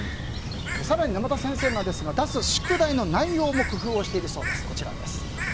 更に沼田先生は出す宿題の内容も工夫をしているそうです。